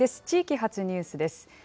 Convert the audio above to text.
地域発ニュースです。